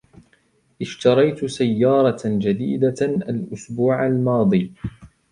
اشتريت سيارة جديدة الاسبوع الماضي.